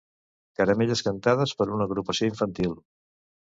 Caramelles cantades per una agrupació infantil.